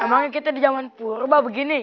emangnya kita di zaman purba begini